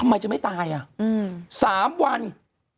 คุณหนุ่มกัญชัยได้เล่าใหญ่ใจความไปสักส่วนใหญ่แล้ว